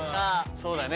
そうだね。